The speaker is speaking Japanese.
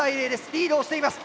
リードをしています。